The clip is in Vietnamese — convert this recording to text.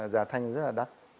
giá thanh rất là đắt